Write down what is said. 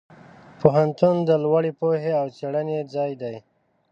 پوهنتون د لوړې پوهې او څېړنې ځای دی.